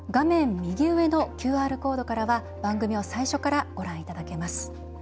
右上のＱＲコードからは番組を最初からご覧いただけます。